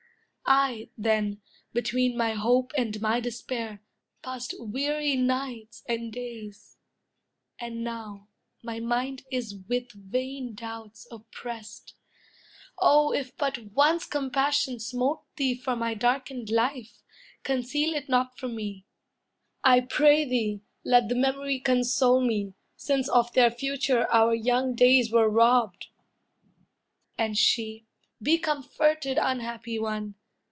I, then, between my hope And my despair, passed weary nights and days; And now, my mind is with vain doubts oppressed. Oh if but once compassion smote thee for My darkened life, conceal it not from me, I pray thee; let the memory console me, Since of their future our young days were robbed!" And she: "Be comforted, unhappy one!